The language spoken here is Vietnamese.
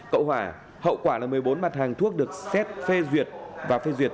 cậu hỏa hậu quả là một mươi bốn mặt hàng thuốc được xét phê duyệt và phê duyệt